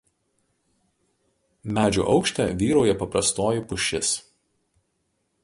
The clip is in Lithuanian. Medžių aukšte vyrauja paprastoji pušis.